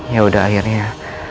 ya sudah akhirnya